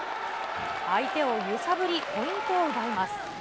相手を揺さぶりポイントを奪います。